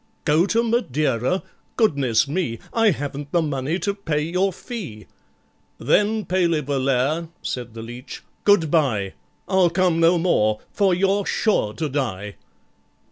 "Go to Madeira? goodness me! I haven't the money to pay your fee!" "Then, PALEY VOLLAIRE," said the leech, "good bye; I'll come no more, for you're sure to die."